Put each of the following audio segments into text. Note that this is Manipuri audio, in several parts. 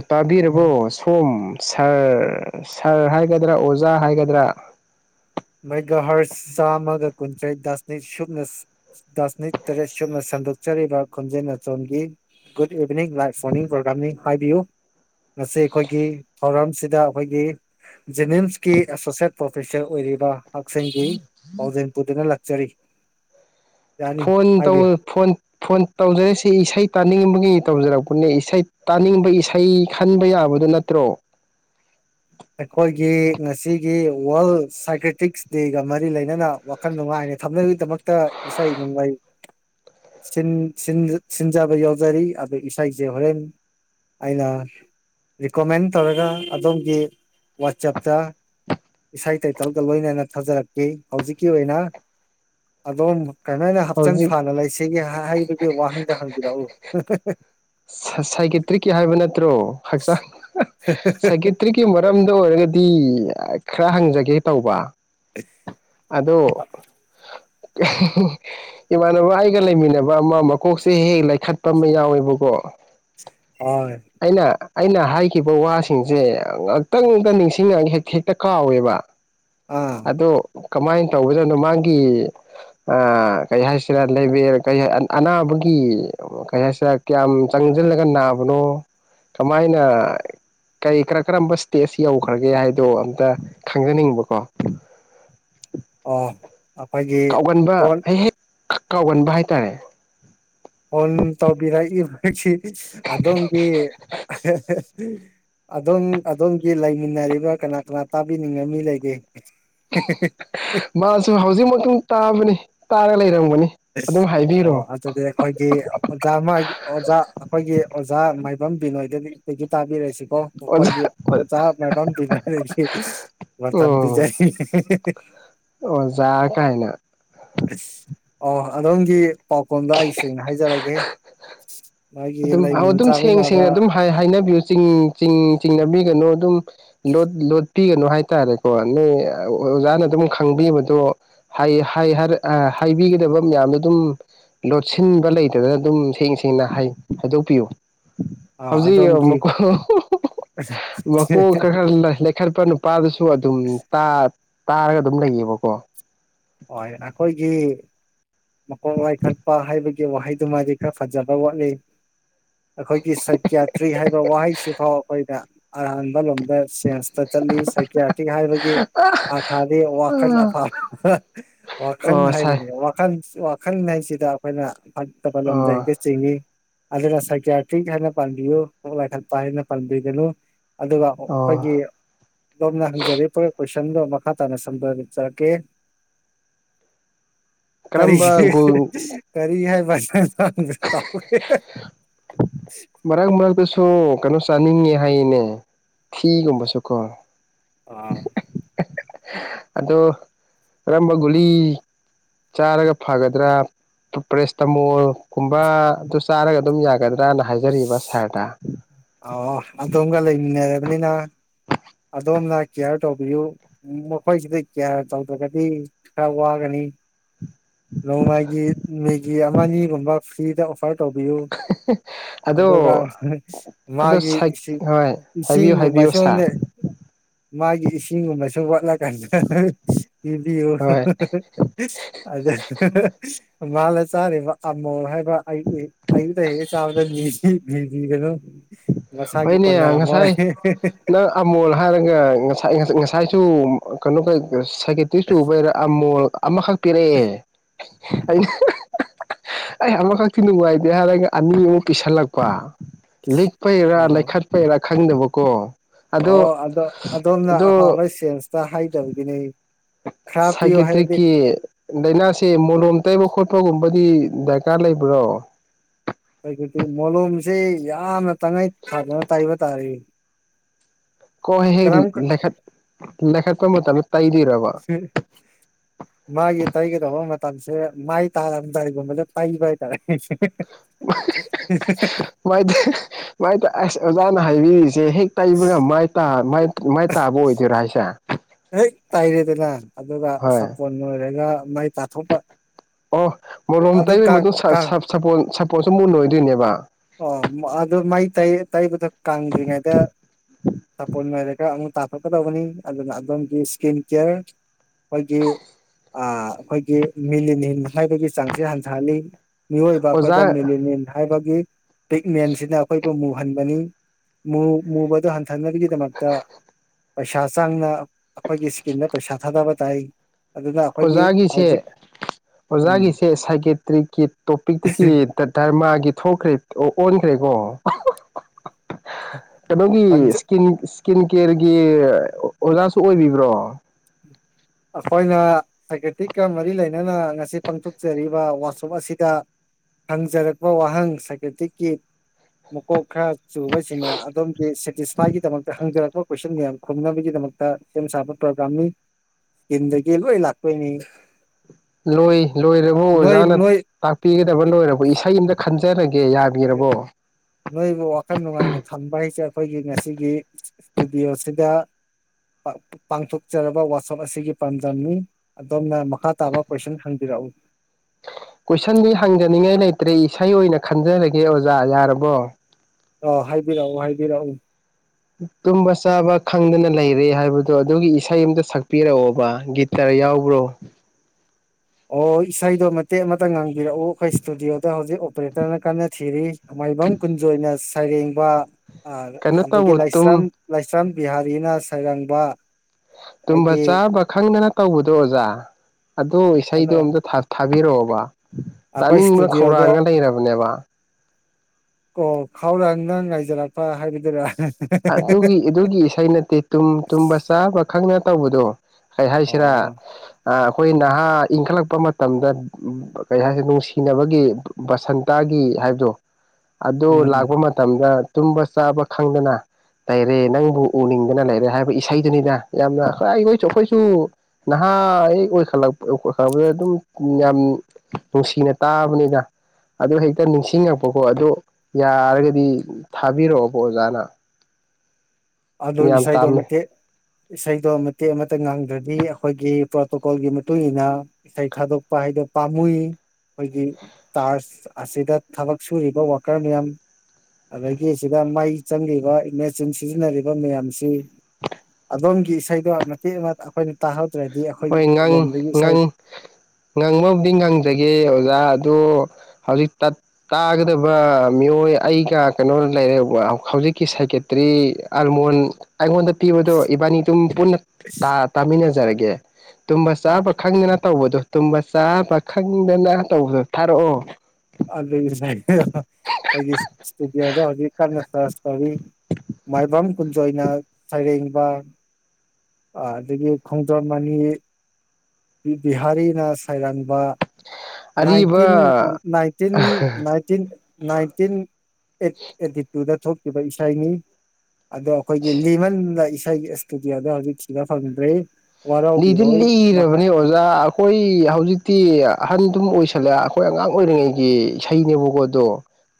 ꯎꯇꯥꯥꯕꯤ ꯔꯔꯕꯣꯁ ꯍꯨꯝ ꯁꯥꯔ ꯁꯥꯔ ꯍꯥꯏꯒꯗ꯭ꯔꯥ ꯑꯣꯖꯥ ꯍꯥꯏꯒꯗ꯭ꯔꯥ ꯃꯩꯘ ꯍꯔꯁ ꯆꯥꯝꯃꯒ ꯀꯨꯟꯇ꯭ꯔꯦ ꯗꯁꯅꯤꯛ ꯁꯨꯞꯅ ꯗꯁꯃꯤꯛ ꯇꯔꯦꯠ ꯁꯨꯞꯅ ꯁꯟꯗꯣꯛꯆꯔꯤꯕ ꯈꯣꯟꯖꯦꯟ ꯃꯆꯣꯟꯒꯤ ꯒꯨꯗ ꯏꯚꯤꯅꯤꯡ ꯂꯥꯏꯐ ꯐꯣꯔꯅꯤꯡ ꯄ꯭ꯔꯣꯒꯥꯥꯝꯅꯤ ꯍꯥꯏꯕꯤꯌꯨ ꯉꯁꯤ ꯑꯩꯈꯣꯏꯒꯤ ꯊꯧꯔꯝꯁꯤꯗ ꯑꯩꯈꯣꯏꯒꯤ ꯖꯦꯅꯤꯝꯁꯀꯤ ꯑꯁꯣꯁꯤꯌꯦꯠ ꯄ꯭ꯔꯣꯐꯦꯁꯔ ꯑꯣꯏꯔꯤꯕ ꯍꯛꯁꯦꯜꯒꯤ ꯄꯥꯎꯖꯦꯜ ꯄꯨꯗꯨꯅ ꯂꯥꯛꯆꯔꯤ ꯌꯥꯅꯤ ꯐꯣꯟ ꯇꯧ ꯍꯥꯏꯕꯤꯌꯨ ꯐꯣꯟ ꯐꯣꯟ ꯇꯧꯖꯔꯛꯁꯤꯦ ꯏꯁꯩ ꯇꯥꯅꯤꯡꯕꯒꯤ ꯇꯧꯖꯔꯛꯄꯅꯦ ꯏꯁꯩ ꯇꯥꯅꯤꯡꯕ ꯏꯁꯩ ꯈꯟꯕ ꯌꯥꯕꯗꯨ ꯅꯠꯇ꯭ꯔꯣ ꯑꯩꯈꯣꯏꯒꯤ ꯉꯁꯤꯒꯤ ꯋꯥꯔꯜ ꯁꯥꯏꯀꯦꯇꯔꯤꯛꯁ ꯗꯦꯒ ꯃꯔꯤ ꯂꯩꯅꯅ ꯋꯥꯈꯟ ꯅꯨꯡꯉꯥꯏꯅꯦ ꯊꯝꯅꯕꯒꯤꯗꯃꯛꯇ ꯏꯁꯩ ꯅꯣꯡꯃꯥꯏ ꯁꯤꯟ ꯁꯤꯟ ꯁꯤꯟꯖꯕ ꯌꯥꯎꯖꯔꯤ ꯑꯗꯣ ꯏꯁꯩꯁꯦ ꯍꯣꯔꯦꯟ ꯑꯩꯅ ꯔꯤꯀꯣꯃꯦꯟ ꯇꯧꯔꯒ ꯑꯗꯣꯝꯒꯤ ꯋꯥꯆꯞꯇ ꯏꯁꯩꯥꯏ ꯇꯥꯏꯇꯜꯒ ꯂꯣꯏꯅꯅ ꯊꯥꯖꯔꯛꯈꯤ ꯍꯧꯖꯤꯛꯀꯤ ꯑꯣꯏꯅ ꯑꯗꯨꯝ ꯀꯃꯥꯏꯅ ꯍꯛꯆꯥꯡ ꯍꯧꯖꯤꯛ ꯐꯅ ꯂꯩꯁꯤꯒꯦ ꯍꯥꯏꯕꯒꯤ ꯋꯥꯍꯪꯗ ꯍꯪꯕꯤꯔꯛꯎ ꯁꯥꯏꯀꯦꯇ꯭ꯔꯤꯛꯀꯤ ꯍꯥꯏꯕ ꯅꯠꯇ꯭ꯔꯣ ꯍꯛꯆꯥꯡ ꯁꯥꯏꯀꯦꯇ꯭ꯔꯤꯛꯀꯤ ꯀꯤ ꯃꯔꯝꯗ ꯑꯣꯏꯔꯒꯗꯤ ꯈꯔ ꯍꯪꯖꯒꯦ ꯇꯧꯕ ꯑꯦ ꯑꯗꯣ ꯏꯃꯥꯟꯅꯕ ꯑꯩꯒ ꯂꯩꯃꯤꯟꯅꯕ ꯑꯃ ꯃꯀꯣꯛꯁꯦ ꯂꯩꯥꯏꯈꯠꯄ ꯑꯃ ꯌꯥꯎꯋꯦꯕꯀꯣ ꯍꯣꯏ ꯑꯩꯅ ꯑꯩꯅ ꯍꯥꯏꯈꯤꯕ ꯋꯥꯁꯤꯡꯁꯦ ꯉꯥꯛꯇꯪꯇ ꯅꯤꯡꯁꯤꯡꯉ ꯍꯦꯛꯇ ꯍꯦꯛꯇ ꯀꯥꯎꯋꯦꯕ [unintelligible] ꯑꯥ ꯑꯗꯣ ꯀꯃꯥꯏꯅ ꯇꯧꯕꯗꯅꯣꯃꯒꯤ ꯑ ꯀꯩ ꯍꯥꯏꯁꯤꯔꯥ ꯂꯩꯕ ꯌꯥꯏ ꯀꯩ ꯑ ꯑꯅꯥꯕꯒꯤ ꯀꯩ ꯍꯥꯏꯁꯤꯔꯥ ꯀꯌꯥꯝ ꯆꯪꯁꯤꯜꯂꯒ ꯅꯥꯕꯅꯣ ꯀꯃꯥꯏꯅ ꯀꯩ ꯀꯔꯝ ꯀꯔꯝꯕ ꯏꯁꯇꯦꯖ ꯌꯧꯈ꯭ꯔꯒꯦ ꯍꯥꯏꯗꯣ ꯑꯝꯇ ꯈꯪꯖꯅꯤꯡꯕꯀꯣ ꯑ ꯑꯩꯈꯣꯏꯒꯤ ꯀꯥꯎꯒꯟꯕ ꯍꯦꯛ ꯍꯦꯛ ꯀꯥꯎꯒꯟꯕ ꯍꯥꯏꯇꯥꯔꯦ ꯐꯣꯟ ꯇꯧꯕꯤꯔꯛꯏꯕꯁꯤ ꯑꯗꯣꯝꯒꯤ ꯑꯗꯣꯝ ꯑꯗꯣꯝꯒꯤ ꯂꯩꯃꯤꯟꯅꯔꯤꯕ ꯀꯅꯥ ꯀꯅꯥ ꯇꯥꯕꯤꯅꯤꯡꯉ ꯃꯤ ꯂꯩꯒꯦ ꯃꯥꯁꯨ ꯍꯧꯖꯤꯛꯃꯛ ꯇꯥꯕꯅꯤ ꯇꯥꯔ ꯂꯩꯔꯝꯒꯅꯤ ꯑꯗꯨꯝ ꯑꯣ ꯍꯥꯏꯕꯤꯔꯣ ꯑꯗꯨꯗꯤ ꯑꯩꯈꯣꯏꯒꯤ ꯑꯣꯖꯥ ꯑꯃꯒꯤ ꯑꯣꯖꯥ ꯑꯩꯈꯣꯏꯒꯤ ꯑꯣꯖꯥ ꯃꯥꯏꯕꯝ ꯕꯤꯅꯣꯏꯗꯅꯤꯒꯤ ꯇꯥꯕꯤꯔꯛꯏꯁꯤꯀꯣ ꯑꯣꯖꯥ ꯑꯣ [unintelligible] ꯑꯣꯖꯥ ꯀꯥꯏꯅ ꯑꯣ ꯑꯗꯣꯝꯒꯤ ꯄꯥꯎꯈꯨꯝꯗꯣ ꯑꯩ ꯁꯦꯡꯅ ꯍꯥꯏꯖꯔꯒꯦ ꯃꯥꯒꯤ ꯑꯗꯨꯝ ꯂꯩꯃꯤꯟ ꯑꯗꯨꯝ ꯁꯦꯡ ꯆꯥꯃꯤꯟꯅꯕ ꯁꯦꯡꯅ ꯑꯗꯨꯝ ꯍꯥꯏꯅꯕꯤꯌꯨ ꯆꯤꯡ ꯆꯤꯡ ꯆꯤꯡꯅꯕꯤꯒꯅꯨ ꯑꯗꯨꯝ ꯂꯣꯠ ꯂꯣꯠ ꯂꯣꯠꯄꯤꯒꯅꯨ ꯍꯥꯏꯇꯥꯔꯦꯀꯣ ꯅꯣꯏ ꯑꯣꯖꯥꯅ ꯑꯗꯨꯝ ꯈꯪꯕꯤꯕꯗꯣ ꯍꯥꯏꯕꯤꯒꯗꯕ ꯃꯌꯥꯝꯗꯨ ꯑꯗꯨꯝ ꯂꯣꯠꯁꯤꯟꯕ ꯂꯩꯇꯗꯅ ꯑꯗꯨꯝ ꯁꯦꯡ ꯁꯦꯡꯅ ꯍꯥꯏꯗꯣꯛꯄꯤꯌꯨ꯫ ꯑꯥ ꯍꯧꯥꯎꯖꯤ ꯑꯗꯣꯝꯒꯤ ꯃꯀꯨ ꯃꯀꯨ ꯀꯔ ꯈ ꯄꯈꯠꯄ ꯅꯨꯄꯥꯗꯨꯁꯨ ꯑꯗꯨꯝ ꯇꯥ ꯇꯥꯔꯒ ꯑꯗꯨꯝ ꯂꯩꯌꯦꯕꯀꯣ ꯍꯣꯏ ꯑꯩꯈꯣꯏꯒꯤ꯫ ꯃꯀꯣꯛ ꯂꯥꯏꯈꯠꯄ ꯍꯥꯏꯕꯒꯤ ꯋꯥꯍꯩꯗꯨꯃꯗꯤ ꯈꯔ ꯐꯖꯕ ꯋꯥꯠꯂꯤ꯫ ꯑꯩꯈꯣꯏꯒꯤ ꯁꯀ꯭ꯌꯥꯇ꯭ꯔꯤ ꯍꯥꯏꯕ ꯋꯥꯍꯩꯁꯤ ꯐꯥꯎ ꯑꯩꯈꯣꯏꯗ ꯑꯔꯥꯟꯕ ꯂꯣꯝꯗ ꯁꯦꯟꯁꯇ ꯆꯠꯂꯤ ꯁꯥꯏꯀꯌꯥꯇꯤꯛ ꯍꯥꯏꯕꯒꯤ ꯑꯊꯥꯗꯤ ꯋꯥꯈꯜ ꯑꯐꯕ ꯋꯥꯈꯟ ꯑꯣ ꯁꯥꯏ ꯍꯥꯏꯕꯅꯦ ꯋꯥꯈꯟ ꯋꯥꯈꯟ ꯍꯥꯏꯁꯤꯗ ꯑꯩꯈꯣꯏꯅ ꯐꯠꯇꯕ ꯂꯝꯣꯗ ꯑꯣ ꯍꯦꯛꯇ ꯆꯤꯡꯏꯤ꯫ ꯑꯗꯨꯅ ꯁꯥꯏꯀꯤ꯭ꯌꯥꯔꯇꯤꯛ ꯍꯥꯏꯅ ꯄꯥꯟꯕꯤꯌꯨ ꯋꯥꯥꯏꯈꯠꯄ ꯍꯥꯏꯅ ꯄꯥꯟꯕꯤꯒꯅꯨ꯫ ꯑꯗꯨꯒ ꯑꯣ ꯑꯩꯈꯣꯏꯒꯤ ꯑꯗꯣꯝꯅ ꯍꯪꯖꯔꯛꯄ ꯀꯣꯏꯁꯟꯗꯣ ꯃꯈꯥ ꯇꯥꯅ ꯁꯝꯗꯆꯔꯛꯀꯦ ꯀꯔꯝꯕ ꯀꯔꯤꯁꯤ ꯒꯨꯜ ꯀꯔꯤ ꯍꯥꯏꯕ ꯀꯥꯎꯦ [inaudible] ꯃꯔꯛ ꯃꯔꯛꯇꯁꯨ ꯀꯩꯅꯣ ꯆꯥꯅꯤꯡꯉꯦ ꯍꯥꯏꯌꯦꯅꯦ ꯊꯤꯒꯨꯝꯕꯁꯨ ꯀꯣ [inaudible] ꯑꯗꯣ ꯀꯔꯝꯕ ꯒꯨꯂꯤ꯫ ꯆꯥꯔꯦ ꯐꯒꯗ꯭ꯔꯥ ꯄꯔꯦꯁꯇꯥꯃꯣꯜꯒꯨꯝꯕ ꯑꯗꯨ ꯆꯥꯔꯒ ꯑꯗꯨꯝ ꯌꯥꯒꯗ꯭ꯔꯅ ꯍꯥꯏꯖꯔꯤꯕ ꯁꯥꯔꯗ ꯑꯣ ꯑꯗꯣꯝꯒ ꯂꯩꯃꯤꯟꯅꯔꯕꯅꯤꯅ ꯑꯗꯣꯝꯅ ꯀꯦꯌꯥꯔ ꯇꯧꯕꯤꯌꯨ꯫ ꯎ ꯃꯈꯣꯏꯁꯤꯗ ꯀꯌꯥ ꯇꯧꯗ꯭ꯔꯒꯗꯤ ꯈꯔ ꯋꯥꯒꯅꯤ꯫ ꯅꯣꯡꯃꯥꯏꯒꯤ ꯃꯦꯒꯤ ꯑꯃ ꯑꯅꯤꯒꯨꯝꯕ ꯐ꯭ꯔꯤꯗ ꯑꯣꯐꯔ ꯇꯧꯕꯤꯌꯨ ꯑꯗꯨꯒ ꯑꯗꯣ ꯑꯗꯣ ꯃꯥꯒꯤ ꯁꯥꯏ ꯏꯁꯤꯡ ꯍꯣꯏ ꯍꯥꯏꯕꯤꯌꯨ ꯏꯁꯤꯡꯒꯨꯝꯕ ꯍꯥꯏꯕꯤꯌꯨ ꯁꯥꯔ ꯁꯨꯝꯅꯦ꯫ ꯃꯥꯒꯤ ꯏꯁꯤꯡꯒꯨꯝꯕꯁꯨ ꯋꯥꯠꯂꯀꯥꯟꯗ ꯄꯤꯕꯤꯌꯨ꯫ ꯍꯣꯏ ꯑ ꯃꯥꯅ ꯆꯥꯔꯤꯕ ꯑꯃꯣ ꯍꯥꯏꯕ ꯑꯩ ꯑꯩꯌꯨꯗ ꯍꯌꯦ ꯆꯥꯕꯗ ꯃꯤ ꯃꯤꯗꯤꯒꯅꯣ ꯃꯁꯥꯒꯤ ꯍꯣꯏꯅꯦ ꯀꯣꯅꯔꯃꯣꯏ ꯉꯁꯥꯏ ꯅꯪ ꯑꯃꯣꯜ ꯍꯥꯏꯔꯒ ꯉꯁꯥꯏ ꯉꯁꯥꯏꯁꯨ ꯀꯩꯅꯣ ꯁꯥꯏꯀꯦꯇꯔꯤꯁ ꯇꯨꯕꯩꯔ ꯑꯃꯣꯜ ꯑꯃꯈꯛ ꯄꯤꯔꯛꯑꯦ ꯑꯩꯅ ꯑꯩ ꯑꯃꯈꯛꯇꯤ ꯅꯨꯡꯉꯥꯏꯇꯦ ꯍꯥꯏꯔ ꯑꯅꯤ ꯑꯃꯨꯛ ꯄꯤꯁꯜꯂꯛꯄ ꯀꯩꯔ ꯂꯩꯈꯠꯄꯩꯔꯥ ꯈꯪꯗꯕꯀꯣ ꯑꯗꯣ ꯑꯣꯗ ꯑꯗꯣꯝꯅ ꯑꯗꯣ ꯑꯐꯕ ꯁꯦꯟꯁꯇ ꯍꯥꯏꯗꯕꯒꯤꯅꯦ꯫ ꯈꯔ ꯄꯤꯌꯨ ꯍꯥꯏꯔꯗꯤ ꯁꯥꯏꯀꯦꯇꯔꯤꯛꯀꯤ ꯂꯩꯅꯥꯁꯦ ꯃꯣꯂꯣꯝ ꯇꯩꯕ ꯈꯣꯠꯄꯒꯨꯝꯕꯗꯤ ꯗꯔꯀꯥꯔ ꯂꯩꯕ꯭ꯔꯣ꯫ ꯑꯩꯒꯤꯗꯤ ꯃꯣꯂꯣꯝꯁꯦ ꯌꯥꯝꯅ ꯇꯉꯥꯏ ꯐꯗꯅ ꯇꯥꯏꯕ ꯇꯥꯔꯤ꯫ ꯀꯣꯏ ꯀꯔꯝ ꯍꯦꯛꯈ ꯂꯩꯈꯠꯄ ꯃꯇꯝꯗ ꯇꯥꯏꯗꯔꯕ [unintelligible] ꯃꯥꯒꯤ ꯇꯩꯒꯗꯕꯃꯇꯝꯁꯦ ꯃꯥꯏ ꯇꯥꯔꯝꯗꯥꯏꯒꯨꯝꯕꯗ ꯇꯩꯕ ꯍꯥꯏꯇꯥꯔꯦ꯫ ꯍꯦꯍꯦꯍꯦꯍꯦ ꯃꯥꯏꯗꯤ ꯃꯥꯏꯗꯤ ꯑꯁ ꯑꯣꯖꯥꯅ ꯍꯡꯅꯤꯡꯉꯤꯁꯦ ꯍꯦꯛ ꯇꯩꯕꯒ ꯃꯥꯏ ꯇꯥꯕ ꯃꯥꯏ ꯃꯥꯏ ꯇꯥꯕ ꯑꯣꯏꯗꯣꯏꯔꯥ ꯍꯥꯏꯁꯦ꯫ ꯍꯦꯛ ꯇꯥꯏꯔꯦꯗꯅ ꯑꯗꯨꯒ ꯍꯣꯏ ꯁꯥꯄꯣꯟ ꯂꯣꯏꯔꯒ ꯃꯥꯏ ꯇꯥꯊꯣꯛꯄ ꯑꯣ ꯃꯣꯔꯣꯝ ꯑꯗꯨ ꯇꯩꯕꯒꯤ ꯀꯥꯡ ꯃꯇꯨꯡꯄ ꯀꯥꯡ ꯁꯥꯄꯣꯟꯁꯨ ꯃꯨꯟꯣꯏꯗꯣꯏꯅꯦꯕ ꯑꯣ ꯑꯗꯨ ꯃꯩꯩ ꯇꯩꯕꯗ ꯀꯪꯗ꯭ꯔꯤꯉꯩꯗ ꯁꯥꯄꯣꯟ ꯂꯩꯔꯒ ꯑꯃꯨꯛ ꯇꯥꯊꯣꯛꯀꯗꯧꯕꯅꯤ ꯑꯗꯨꯅ ꯑꯗꯣꯝꯒꯤ ꯏꯁꯀꯤꯟ ꯀꯦꯌꯔ ꯑꯩꯈꯣꯏꯒꯤ ꯑ ꯑꯩꯈꯣꯏꯒꯤ ꯃꯤꯅꯤꯅꯤꯅꯤ ꯁ꯭ꯋꯥꯏꯗꯒꯤ ꯆꯥꯡꯁꯤ ꯍꯟꯊꯍꯜꯂꯤ ꯃꯤꯑꯣꯏꯕ ꯑꯣꯖꯥ ꯑꯩꯈꯣꯏꯗ ꯃꯦꯂꯤꯅꯤꯟ ꯍꯥꯏꯕꯒꯤ ꯄꯤꯛꯃꯦꯟꯁꯤꯅ ꯑꯩꯈꯣꯏꯕꯨ ꯃꯨꯍꯟꯕꯅꯤ ꯃꯨꯕꯗꯨ ꯍꯟꯊꯅꯕꯒꯤꯗꯃꯛꯇ ꯄꯩꯁꯥ ꯆꯥꯡꯅ ꯑꯩꯈꯣꯏꯒꯤ ꯏꯁꯀꯤꯝꯗ ꯄꯩꯁꯥ ꯊꯥꯗꯕ ꯇꯥꯏ ꯑꯗꯨꯅ ꯑꯩꯈꯣꯏꯒꯤ ꯑꯣꯖꯥꯒꯤꯁꯦ ꯍꯧꯖꯤꯛ ꯎꯝ ꯑꯣꯖꯥꯒꯤꯁꯦ ꯁꯥꯏꯀꯦꯇ꯭ꯔꯤꯛꯀꯤ ꯇꯣꯄꯤꯛꯇꯒꯤ ꯙꯔꯃꯥꯒꯤ ꯊꯣꯛꯈ꯭ꯔꯦ ꯑꯣ ꯑꯣꯟꯈ꯭ꯔꯦꯀꯣ ꯀꯩꯅꯣꯒꯤ ꯏꯁꯀꯤꯟ ꯏꯁꯀꯤꯟ ꯀꯦꯌꯔꯒꯤ ꯑꯣꯖꯥꯁꯨ ꯑꯣꯏꯕꯤꯕ꯭ꯔꯣ [unintelligible] ꯑꯩꯈꯣꯏꯅ ꯁꯥꯏꯀꯦꯇꯔꯤꯛꯀ ꯃꯔꯤ ꯂꯩꯅꯅ ꯉꯁꯤ ꯄꯥꯡꯊꯣꯛꯆꯔꯤꯕ ꯋꯥꯛꯁꯣꯞ ꯑꯁꯤꯗ ꯍꯪꯖꯔꯛꯄ ꯋꯥꯍꯪ ꯁꯥꯏꯀ꯭ꯔꯦꯇꯤꯛꯀꯤ ꯃꯀꯣꯛ ꯈꯔ ꯆꯨꯕꯁꯤꯡꯅ ꯑꯗꯣꯝꯒꯤ ꯁꯦꯇꯤꯁꯐꯥꯏꯒꯤꯗꯃꯛꯇ ꯍꯪꯖꯔꯛꯄ ꯀꯣꯏꯁꯟ ꯃꯌꯥꯝ ꯈꯨꯝꯅꯕꯒꯤꯗꯃꯛꯇ ꯁꯦꯝ ꯁꯥꯕ ꯄ꯭ꯔꯣꯒꯥ꯭ꯔꯝꯅꯤꯤꯟꯗꯒꯤ ꯂꯣꯏ ꯂꯥꯛꯇꯣꯏꯅꯤ ꯂꯣꯏ ꯂꯣꯏꯔꯕ ꯅꯣꯏ ꯑꯣꯖꯥꯅ ꯅꯣꯏ ꯇꯥꯛꯄꯤꯒꯗꯕ ꯂꯣꯏꯔꯕ ꯏꯁꯩ ꯑꯝꯇ ꯈꯟꯖꯔꯒꯦ ꯌꯥꯅꯤ ꯌꯦꯔꯕꯣ ꯅꯣꯏꯕꯨ ꯋꯥꯈꯜ ꯅꯨꯡꯉꯥꯏꯅ ꯊꯝꯕ ꯍꯥꯏꯁꯦ ꯑꯩꯈꯣꯏꯒꯤ ꯉꯁꯤꯒꯤ ꯏꯁꯇꯨꯗꯤꯑꯣꯁꯤꯗ ꯄꯥꯡꯊꯣꯛꯆꯔꯕ ꯋꯥꯁꯞ ꯑꯁꯤꯒꯤ ꯄꯥꯟꯗꯝꯅꯤ ꯑꯗꯣꯝꯅ ꯃꯈꯥ ꯇꯥꯕ ꯀꯣꯏꯁꯟ ꯍꯪꯕꯤꯔꯛꯎ ꯀꯣꯏꯁꯟꯗꯤ ꯍꯪꯖꯅꯤꯡꯉꯥꯏ ꯂꯩꯇ꯭ꯔꯦ ꯏꯁꯩ ꯑꯣꯏꯅ ꯈꯟꯖꯔꯒꯦ ꯑꯣꯖꯥ ꯌꯥꯔꯕꯣ ꯑ ꯍꯥꯏꯕꯤꯔꯛꯎ ꯍꯥꯏꯕꯤꯔꯛꯎ ꯇꯨꯝꯕ ꯆꯥꯕ ꯈꯪꯗꯅ ꯂꯩꯔꯦ ꯍꯥꯏꯕꯗꯣ ꯑꯗꯨꯒꯤ ꯏꯁꯩ ꯑꯝꯇ ꯁꯛꯄꯤꯔꯛꯑꯣꯕ ꯒꯤ ꯀꯔ ꯌꯥꯎꯕ꯭ꯔꯣ ꯑꯣ ꯏꯁꯩꯗꯣ ꯃꯇꯦꯛ ꯑꯃꯇ ꯉꯥꯡꯕꯤꯔꯛꯎ ꯑꯩꯈꯣꯏ ꯏꯁꯇꯨꯗꯤꯑꯣꯗ ꯍꯧꯖꯤꯛ ꯑꯣꯄꯔꯦꯇꯔꯅ ꯀꯟꯅ ꯊꯤꯔꯤ ꯃꯥꯏꯕꯝ ꯀꯨꯟꯖꯣꯏꯅ ꯁꯩꯔꯦꯡꯕ ꯀꯩꯅꯣ ꯑꯗꯒꯤ ꯇꯧꯋꯣ ꯇꯨꯝ ꯂꯥꯏꯁ꯭ꯔꯥꯝ ꯂꯥꯏꯁ꯭ꯔꯝ ꯕꯤꯍꯥꯔꯤꯅ ꯁꯩꯔꯪꯕ ꯇꯨꯝꯕ ꯆꯥꯕ ꯈꯪꯗꯅ ꯇꯧꯕꯗꯣ ꯑꯣꯖꯥ ꯑꯗꯣ ꯏꯁꯩꯗꯣ ꯑꯝꯇ ꯊꯥ ꯊꯥꯕꯤꯔꯛꯑꯣꯕ ꯑꯩꯈꯣꯏ ꯇꯥꯅꯤꯡꯕ ꯏꯁꯇꯨꯗꯤꯑꯣꯗ ꯈꯧꯔꯥꯡꯉ ꯂꯩꯔꯕꯅꯦꯕ ꯑꯣ ꯈꯥꯎꯔꯛ ꯅꯪ ꯉꯥꯏꯖꯔꯛꯄ ꯍꯥꯏꯕꯗꯨꯔꯥ ꯑꯗꯨꯒꯤ ꯑꯗꯨꯒꯤ ꯏꯁꯩ ꯅꯠꯇꯦ ꯇꯨꯝꯕ ꯆꯥꯕ ꯈꯪꯅ ꯇꯧꯕꯗꯣ ꯀꯩ ꯍꯥꯏꯁꯤꯔꯥ ꯑꯣ ꯑꯩꯈꯣꯏ ꯅꯍꯥ ꯏꯪꯈꯠꯂꯛꯄ ꯃꯇꯝꯗ ꯀꯩ ꯍꯥꯏꯁꯦ ꯅꯨꯡꯁꯤꯅꯕꯒꯤ ꯕꯁꯟꯇꯥꯒꯤ ꯍꯥꯏꯕꯗꯣ ꯑꯗꯨ ꯎꯝ ꯂꯥꯛꯄ ꯃꯇꯝꯗ ꯇꯨꯝꯕ ꯆꯥꯕ ꯈꯪꯗꯅ ꯂꯩꯔꯦ ꯅꯪꯕꯨ ꯎꯅꯤꯡꯗꯅ ꯂꯩꯔꯦ ꯍꯥꯏꯕ ꯏꯁꯩꯗꯨꯅꯤꯗ ꯌꯥꯝꯅ ꯍ ꯑꯩꯈꯣꯏꯁꯨ ꯑꯩꯈꯣꯏꯁꯨ ꯅꯍꯥ ꯍ ꯑꯣꯏꯈꯠꯂꯛꯄꯈꯠꯂꯛꯄꯗ ꯑꯗꯨꯝ ꯌꯥꯝ ꯅꯨꯡꯁꯤꯅ ꯇꯥꯕꯅꯤꯕ ꯑꯗꯨꯗ ꯍꯦꯛꯇ ꯅꯤꯡꯁꯤꯡꯉꯛꯄꯀꯣ ꯑꯗꯨ ꯌꯥꯔꯒꯗꯤ ꯊꯥꯕꯤꯔꯛꯑꯣꯕ ꯑꯣꯖꯥꯅ ꯑꯗ ꯃꯤꯌꯥꯝ ꯏꯁꯥꯏꯗ ꯇꯥꯝꯃꯦ ꯃꯦ ꯏꯁꯩꯗꯣ ꯃꯇꯦꯛ ꯑꯃꯠꯇ ꯉꯥꯡꯗ꯭ꯔꯗꯤ ꯑꯩꯈꯣꯏꯒꯤ ꯄ꯭ꯔꯣꯇꯣꯀꯣꯜꯒꯤ ꯃꯇꯨꯡ ꯏ ꯃꯇꯨꯡꯏꯟꯅ ꯁꯥꯏ ꯊꯥꯗꯣꯛꯄ ꯍꯥꯏꯍꯤꯗ ꯄꯥꯝꯨꯏ ꯑꯩꯈꯣꯏꯒꯤ ꯇꯥꯔꯁ ꯑꯁꯤꯗ ꯊꯕꯛ ꯁꯨꯔꯤꯕ ꯋꯥꯀꯔ ꯃꯌꯥꯝ ꯑꯗꯒꯤ ꯁꯤꯗ ꯃꯥꯏ ꯆꯪꯂꯤꯕ ꯃꯦꯆꯤꯟ ꯁꯤꯖꯤꯟꯅꯔꯤꯕ ꯃꯌꯥꯝꯁꯤ [inaudible] ꯑꯗꯣꯝꯒꯤ ꯏꯁꯩꯗꯣ ꯃꯇꯦꯛ ꯑꯃ ꯑꯩꯈꯣꯏꯅ ꯇꯥꯍꯧꯗ꯭ꯔꯗꯤ ꯑꯩꯈꯣꯏꯒꯤ ꯍꯣꯏ ꯔꯣꯝꯗꯒꯤ ꯏꯁꯩ ꯉꯪꯕꯕꯨꯗꯤ ꯉꯪꯖꯒꯦ ꯑꯣꯖꯥ ꯑꯗꯣ ꯍꯧꯖꯤꯛ ꯇꯥ ꯇꯥꯒꯗꯕ ꯃꯤꯑꯣꯏ ꯑꯩꯒ ꯀꯩꯅꯣ ꯂꯩꯔꯦ ꯍꯧꯖꯤꯛꯀꯤ ꯁꯥꯏꯀꯦꯠ ꯇ꯭ꯔꯤ ꯑꯜꯃꯣꯟ ꯑꯩꯉꯣꯟꯗ ꯄꯤꯕꯗꯣ ꯏꯕꯥꯅꯤꯗꯨꯝ ꯄꯨꯟꯅ ꯇꯥꯃꯤꯟꯅꯖꯔꯒꯦ ꯇꯨꯝꯕ ꯆꯥꯕ ꯈꯪꯗꯅ ꯇꯧꯕꯗꯣ ꯇꯨꯝꯕ ꯆꯥꯕ ꯈꯪꯗꯅ ꯇꯧꯕꯗꯣ ꯊꯥꯔꯛꯑꯣ ꯑꯗꯨ ꯑꯩꯈꯣꯏꯒꯤ ꯏꯁꯇꯨꯗꯤꯑꯣꯗ ꯍꯧꯖꯤꯛ ꯀꯟꯅ ꯁꯔꯁ ꯇꯧꯋꯤ ꯃꯥꯏꯕꯝ ꯀꯨꯟꯖꯣꯏꯅ ꯁꯩꯔꯦꯡꯕ ꯑꯗꯒꯤ ꯈꯣꯡꯖꯣꯟ ꯃꯅꯤ ꯕꯤꯍꯥꯔꯤꯅ ꯁꯩꯔꯟꯕ ꯑꯔꯤꯕ ꯅꯥꯏꯟꯇꯤꯟ ꯅꯥꯏꯟꯇꯤꯟ ꯅꯥꯏ ꯑꯩꯟ ꯅꯥꯏꯟꯇꯤꯟ ꯑꯩꯠ ꯑꯩꯠꯇꯤ ꯇꯨꯗ ꯊꯣꯛ ꯏꯁꯩꯅꯤ ꯑꯗꯣ ꯑꯩꯈꯣꯏꯒꯤ ꯂꯤꯃꯟꯗ ꯏꯁꯩꯒꯤ ꯏꯁꯇꯨꯗꯤꯑꯣꯗ ꯍꯧꯖꯤꯛ ꯁꯤꯤꯒ ꯐꯔꯤ [unintelligible] ꯂꯤꯗꯤꯜꯂꯤꯔꯔꯕꯅꯤ ꯑꯣꯖꯥ ꯑꯣꯏ ꯍꯧꯖꯤꯛꯇꯤ ꯑꯍꯟꯗꯨꯝ ꯑꯣꯏꯁꯜꯂꯛꯌꯦ ꯑꯩꯈꯣꯏ ꯑꯉꯥꯡ ꯑꯣꯏꯔꯤꯉꯩꯒꯤ ꯏꯁꯩꯅꯦꯕꯀꯣ ꯑꯗꯣ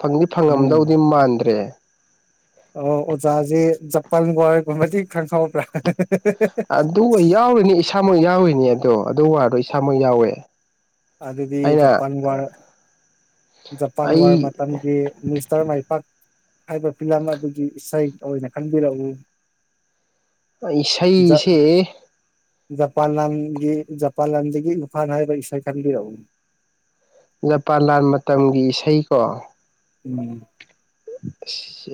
ꯐꯪꯗꯤ ꯎꯝ ꯐꯪꯉꯝꯗꯧꯗꯤ ꯃꯥꯟꯗ꯭ꯔꯦ ꯑꯣ ꯑꯣꯖꯥꯁꯦ ꯖꯄꯥꯟ ꯋꯥꯔ ꯒꯨꯝꯕꯗꯤ ꯈꯔꯥ ꯈꯪꯍꯧꯕ꯭ꯔꯥ ꯑꯗꯨ ꯌꯥꯎꯔꯤꯅꯤ ꯏꯁꯥꯃꯛ ꯌꯥꯎꯔꯤꯅꯤ ꯑꯗꯣ ꯑꯗꯨ ꯋꯥꯗꯣ ꯏꯁꯥꯃꯛ ꯌꯥꯎꯋꯦ ꯑꯗꯨꯗꯤ ꯑꯩꯅ ꯖꯄꯥꯟ ꯋꯥꯔ ꯖꯄꯥꯟ ꯋꯥꯔ ꯑꯩ ꯃꯇꯝꯒꯤ ꯇꯔꯃꯥꯏꯄꯥꯛ ꯍꯥꯏꯕ ꯐꯤꯂꯝ ꯑꯗꯨꯒꯤ ꯏꯁꯩ ꯑꯣꯏꯅ ꯈꯟꯕꯤꯔꯛꯎ ꯖ ꯏꯁꯩꯁꯦ ꯖꯄꯥꯟ ꯂꯝꯥꯟꯒꯤ ꯖꯄꯥꯟ ꯂꯝꯥꯟꯗꯒꯤ ꯏꯝꯐꯥꯥꯟ ꯍꯥꯏꯕ ꯏꯁꯩ ꯈꯟꯕꯤꯔꯛꯎꯅꯦ [unintelligible] ꯖꯄꯥꯟ ꯂꯥꯟ ꯃꯇꯝꯒꯤ ꯏꯁꯩꯀꯣ ꯎꯝ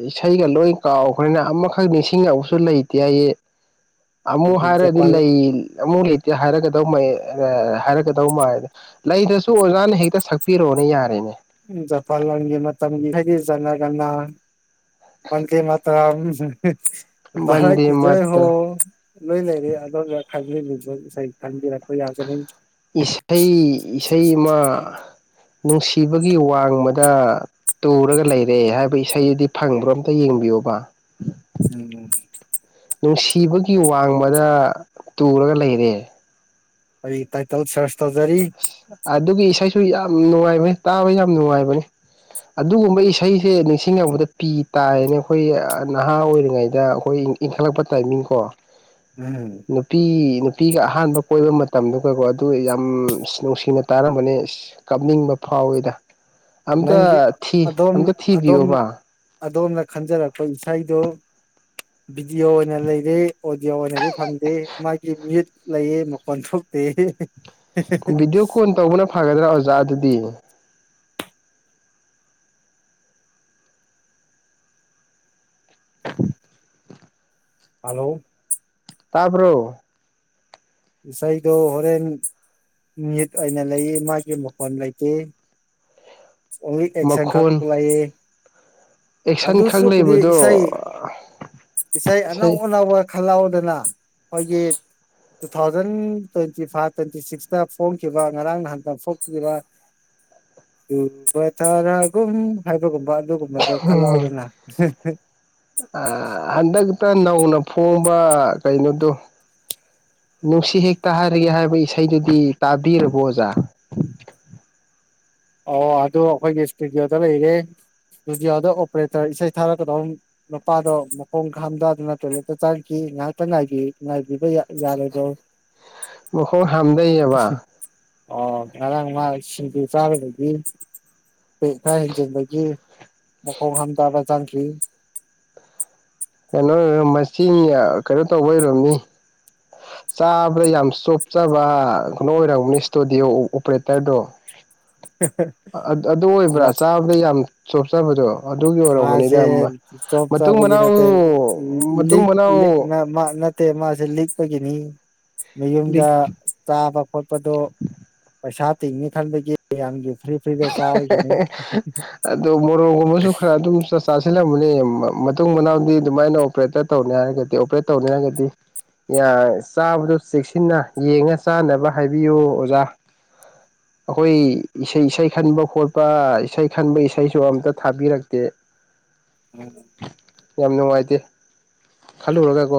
ꯏꯁꯩꯒ ꯂꯣꯏ ꯀꯥꯎꯈ꯭ꯔꯦꯅ ꯑꯃꯈꯛ ꯅꯤꯡꯁꯤꯡꯉꯕꯁꯨ ꯂꯩꯇꯦ ꯑꯩ ꯑꯃꯨꯛ ꯑꯗꯨ ꯍꯥꯏꯔꯗꯤ ꯖꯄꯥꯟ ꯂꯩ ꯑꯃꯨꯛ ꯂꯩꯇꯦ ꯍꯥꯏꯔꯒꯗꯧ ꯃꯥꯏ ꯍꯥꯏꯔꯛꯒꯗꯧ ꯃꯥꯏ ꯂꯩꯗꯁꯨ ꯑꯣꯖꯥꯅ ꯍꯦꯛꯇ ꯁꯛꯄꯤꯔꯛꯑꯣꯅ ꯌꯥꯔꯦꯅꯦ ꯖꯄꯥꯟ ꯂꯥꯟꯒꯤ ꯃꯇꯝꯒꯤ ꯍꯥꯏꯗꯤ ꯖꯅꯒꯅ ꯃꯗꯤ ꯃꯥ ꯕꯟꯗꯦ ꯔꯀꯤꯖꯣꯏ ꯍꯣ ꯃꯥꯇ꯭ꯔ [unintelligible] ꯂꯣꯏ ꯂꯩꯔꯦ ꯑꯣ ꯈ ꯉ ꯈꯟꯕꯤꯔꯛꯄ ꯌꯥꯒꯅꯤ ꯏꯁꯩ ꯏꯁꯩꯃ ꯅꯨꯡꯁꯤꯕꯒꯤ ꯋꯥꯡꯃꯗ ꯇꯨꯔꯒ ꯂꯩꯔꯦ ꯍꯥꯏꯕ ꯏꯁꯩꯗꯨꯗꯤ ꯐꯪꯕ꯭ꯔꯣ ꯑꯝꯇ ꯌꯦꯡꯕꯤꯌꯣꯕ ꯎꯝ [unintelligible] ꯅꯨꯡꯁꯤꯕꯒꯤ ꯋꯥꯡꯃꯗ ꯇꯨꯔꯒ ꯂꯩꯔꯦ ꯑꯩꯔꯤ ꯇꯥꯏꯇꯜ ꯁꯔꯁ ꯇꯧꯖꯔꯤ ꯑꯗꯨꯒꯤ ꯏꯁꯩꯁꯨ ꯌꯥꯝ ꯅꯨꯡꯉꯥꯏꯕꯅꯤ ꯇꯥꯕ ꯌꯥꯝ ꯅꯨꯡꯉꯥꯏꯕꯅꯤ ꯑꯗꯨꯒꯨꯝꯕ ꯏꯁꯩꯁꯦ ꯅꯤꯡꯁꯤꯡꯉꯛꯕꯗ ꯄꯤ ꯇꯥꯏꯅ ꯑꯩꯈꯣꯏ ꯅꯍꯥ ꯑꯣꯏꯔꯤꯉꯩꯗ ꯑꯩꯈꯣꯏ ꯏꯟꯈꯠꯂꯛꯄ ꯇꯥꯏꯃꯤꯡ ꯀꯣ ꯎꯝ [unintelligible] ꯅꯨꯄꯤ ꯅꯨꯄꯤꯒ ꯑꯍꯥꯟꯕ ꯀꯣꯏꯕ ꯃꯇꯝꯗꯨꯒꯀꯣ ꯑꯗꯨ ꯌꯥꯝ ꯑꯁ ꯅꯨꯡꯁꯤ ꯅꯨꯡꯁꯤꯅ ꯇꯥꯔꯝꯕꯅꯦ ꯑ ꯀꯥꯞꯅꯤꯡꯕ ꯐꯥꯎꯋꯤꯗ ꯑꯝꯇ ꯅꯪꯒꯤ ꯊꯤ ꯑꯗꯣꯝ ꯑꯝꯇ ꯑꯗꯣꯝ ꯊꯤꯕꯤꯌꯣꯕ ꯑꯗꯣꯝꯅ ꯈꯟꯖꯔꯛꯄ ꯏꯁꯩꯗꯨ ꯚꯤꯗꯤꯑꯣ ꯑꯣꯏꯅ ꯂꯩꯔꯦ ꯑꯣꯗꯤꯌꯣ ꯑꯣꯏꯅꯗꯤ ꯐꯪꯗꯦ ꯃꯥꯒꯤ ꯃꯤꯨꯠ ꯂꯩꯌꯦ ꯃꯀꯣꯟ ꯊꯣꯛꯇꯦ ꯚꯤꯗꯤꯑꯣ ꯀꯣꯜ ꯇꯧꯕꯅ ꯐꯒꯗ꯭ꯔꯥ ꯑꯣꯖꯥ ꯑꯗꯨꯗꯤ [unintelligible] ꯍꯜꯂꯣ ꯇꯥꯕꯔ‌ꯣ ꯏꯁꯩꯗꯣ ꯍꯣꯔꯦꯟ ꯑꯣꯏꯅ ꯂꯩ ꯃꯥꯒꯤ ꯃꯈꯣꯟ ꯂꯩꯇꯦ ꯑꯣꯅꯤ ꯑꯦ ꯁ ꯈꯥꯛ ꯃꯈꯣꯟ ꯄꯨꯂꯥꯏꯌꯦ [unintelligible] [unintelligible] ꯈꯛ ꯑꯗꯨꯁꯨꯕꯨꯗꯤ ꯂꯩꯕꯗꯣ ꯏꯁꯩ ꯏꯁꯩ ꯑꯅꯧ ꯑꯅꯧꯕ ꯈꯜꯍꯥꯎꯗꯅ ꯑꯩꯈꯣꯏꯒꯤ two thousand twenty five twenty ꯁꯤꯛꯁꯇ ꯐꯣꯡꯈꯤꯕ ꯉꯔꯥꯡ ꯅꯍꯥꯟꯗ ꯐꯣꯡꯈꯤꯕ [unintelligible] [unintelligible] ꯍꯥꯏꯕꯒꯨꯝꯕ ꯑꯗꯨꯒꯨꯝ [unintelligible] ꯑ ꯍꯟꯗꯛꯇ ꯅꯧꯅ ꯐꯣꯡꯕ ꯀꯩꯅꯣꯗꯨ ꯅꯨꯡꯁꯤ ꯍꯦꯛꯇ ꯍꯥꯏꯔꯒꯦ ꯍꯥꯏꯕ ꯏꯁꯩꯗꯨꯗꯤ ꯇꯥꯕꯤꯔꯕꯣ ꯑꯣꯖꯥ ꯑꯣ ꯑꯗꯨ ꯑꯩꯈꯣꯏꯒꯤ ꯏꯁꯇꯨꯗꯤꯑꯣꯗ ꯂꯩꯔꯦ ꯏꯁꯇꯨꯗꯤꯑꯣꯗ ꯑꯣꯄꯔꯦꯇꯔ ꯏꯁꯩ ꯊꯥꯔꯛꯀꯗꯧ ꯅꯨꯄꯥꯗꯣ ꯃꯈꯣꯡ ꯍꯥꯝꯗꯥꯗꯅ ꯇꯣꯏꯂꯦꯠꯇ ꯆꯪꯈꯤ ꯉꯥꯏꯍꯥꯛꯇ ꯉꯥꯏꯕꯤ ꯉꯥꯏꯕꯤꯕ ꯌꯥ ꯌꯥꯔꯣꯏꯗ꯭ꯔꯣ ꯃꯈꯣꯡ ꯍꯥꯝꯗꯩꯑꯕ ꯑꯣ ꯉꯔꯥꯡ ꯃꯥ ꯁꯤꯡꯖꯨ ꯆꯥꯔꯨꯕ [unintelligible] ꯄꯦꯛ ꯈꯔ ꯍꯦꯟꯖꯤꯟꯕꯒꯤ ꯃꯈꯣꯡ ꯍꯥꯝꯇꯥꯕ ꯆꯪꯈꯤ ꯀꯩꯅꯣ ꯑꯣꯏ ꯃꯁꯤ ꯀꯩꯅꯣ ꯇꯧꯕ ꯑꯣꯏꯔꯝꯅꯤ ꯆꯥꯕꯗ ꯌꯥꯝ ꯆꯣꯞꯆꯕ ꯀꯩꯅꯣ ꯑꯣꯏꯔꯝꯒꯅꯤ ꯏꯁꯇꯨꯗꯤꯑꯣ ꯑꯣꯄꯔꯦꯇꯔꯗꯣ ꯑ ꯑꯗꯨ ꯑꯣꯏꯕ꯭ꯔꯥ ꯆꯥꯕꯗ ꯌꯥꯝ ꯆꯣꯞꯆꯥꯕꯗꯣ ꯑꯗꯨꯒꯤ ꯑꯣꯏꯔꯝꯒꯅꯤꯗ ꯃꯥꯁꯦ ꯖꯣꯕ ꯃꯇꯨꯡ ꯆꯥꯕꯒꯤ ꯃꯅꯥꯎ ꯅꯠꯇꯦ ꯃꯇꯨꯡ ꯂꯤꯛ ꯃꯅꯥꯎ ꯂꯤꯛꯅ ꯃꯥ ꯅꯠꯇꯦ ꯃꯥꯖꯦ ꯂꯤꯛꯄꯒꯤꯅꯤ ꯃꯌꯨꯝꯗ ꯆꯥꯕ ꯈꯣꯠꯄꯗꯣ ꯄꯩꯁꯥ ꯇꯤꯡꯅꯤ ꯈꯟꯕꯒꯤ ꯃꯌꯥꯝꯒꯤ ꯐꯔꯤ ꯐꯔꯤꯗ ꯆꯥꯕꯒꯤꯅꯤ ꯑꯗꯣ ꯃꯣꯔꯣꯛꯒꯨꯝꯕꯁꯨ ꯈꯔ ꯑꯗꯨꯝ ꯆꯠ ꯆꯥꯁꯤꯜꯂꯝꯒꯅꯦ ꯃ ꯃ ꯃꯇꯨꯡ ꯃꯅꯥꯎꯗꯤ ꯑꯗꯨꯃꯥꯏꯅ ꯑꯣꯄꯔꯦꯠꯇꯔ ꯇꯧꯅꯤ ꯍꯥꯏꯔꯒꯗꯤ ꯑꯣꯄꯔꯦꯠ ꯇꯧꯅꯤ ꯍꯥꯏꯔꯒꯗꯤ ꯌꯥ ꯆꯥꯕꯗꯣ ꯆꯦꯛꯁꯤꯟꯅ ꯌꯦꯡꯉ ꯆꯥꯅꯕ ꯍꯥꯏꯕꯤꯌꯨ ꯑꯣꯖꯥ ꯑꯩꯈꯣꯏ ꯏꯁꯩ ꯏꯁꯩ ꯈꯟꯕ ꯈꯣꯠꯄ ꯏꯁꯩ ꯈꯟꯕ ꯏꯁꯩꯁꯨ ꯑꯝꯇ ꯊꯥꯕꯤꯔꯛꯇꯦ [unintelligible] ꯌꯥꯝ ꯅꯨꯡꯉꯥꯏꯇꯦ ꯈꯜꯂꯨꯔꯒ ꯀꯣ